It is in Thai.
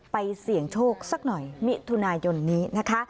เสี่ยงโชคสักหน่อยมิถุนายนนี้นะคะ